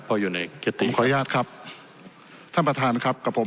พออยู่ในเกียรติขออนุญาตครับท่านประธานครับกับผม